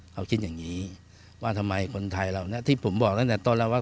เขาคิดอย่างนี้ว่าทำไมคนไทยเหล่านี้ที่ผมบอกตั้งแต่ต้นแล้วว่า